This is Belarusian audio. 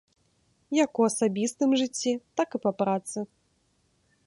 Як у асабістым жыцці, так і па працы.